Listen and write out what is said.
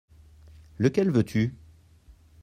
Lequel veux-tu ?